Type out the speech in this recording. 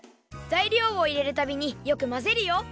ざいりょうをいれるたびによくまぜるよ。